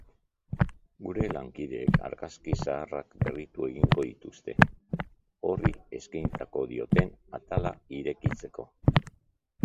Gure lankideek argazki zaharrak berritu egingo dituzte, horri eskainiko dioten atala irekitzeko.